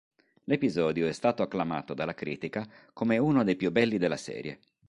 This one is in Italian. L'episodio è stato acclamato dalla critica come uno dei più belli della serie.